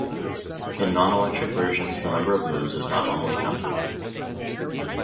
In non-electronic versions, the number of moves is not normally counted.